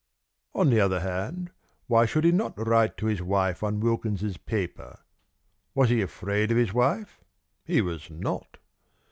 On the other hand, why should he not write to his wife on Wilkins's paper? Was he afraid of his wife? He was not.